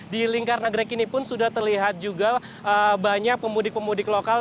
di lingkar nagrek ini pun sudah terlihat juga banyak pemudik pemudik lokal